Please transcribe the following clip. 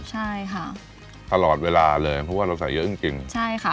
ใช่ค่ะตลอดเวลาเลยเพราะว่าเราใส่เยอะจริงจริงใช่ค่ะ